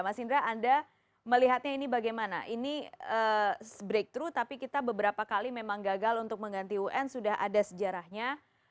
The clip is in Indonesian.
mas indra anda melihatnya ini bagaimana ini breakthrough tapi kita beberapa kali memang gagal untuk mengganti un sudah ada sejarahnya